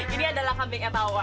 ini adalah kambing etawa